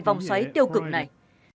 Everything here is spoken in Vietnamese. vòng xoáy tiêu cực này